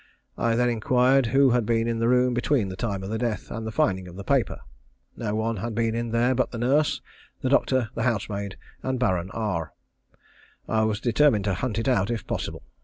I then inquired who had been in the room between the time of the death and the finding of the paper. No one had been there but the nurse, the doctor, the housemaid, and Baron R. I was determined to hunt it out if possible.